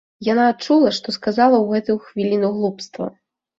Яна адчула, што сказала ў гэтую хвіліну глупства.